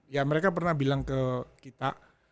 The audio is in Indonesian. ya mereka pernah bilang ke kita